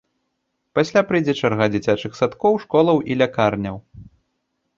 Пасля прыйдзе чарга дзіцячых садкоў, школаў і лякарняў.